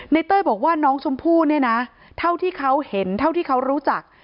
เต้ยบอกว่าน้องชมพู่เนี่ยนะเท่าที่เขาเห็นเท่าที่เขารู้จัก